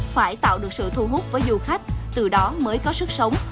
phải tạo được sự thu hút với du khách từ đó mới có sức sống